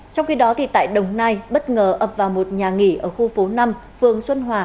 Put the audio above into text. trong khi đó tại đồng nai bất ngờ ập vào một nhà nghỉ ở khu phố năm phường xuân hòa